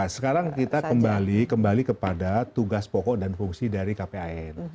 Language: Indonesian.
sekarang kita kembali kepada tugas pokok dan fungsi dari kpan